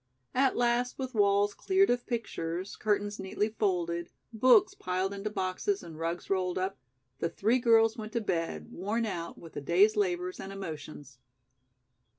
At last with walls cleared of pictures, curtains neatly folded, books piled into boxes and rugs rolled up, the three girls went to bed, worn out with the day's labors and emotions.